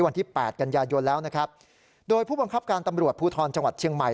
วันที่แปดกันยายนแล้วนะครับโดยผู้บังคับการตำรวจภูทรจังหวัดเชียงใหม่